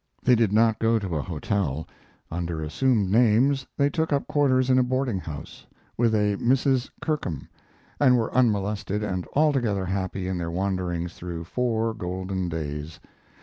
They did not go to a hotel. Under assumed names they took up quarters in a boarding house, with a Mrs. Kirkham, and were unmolested and altogether happy in their wanderings through four golden days.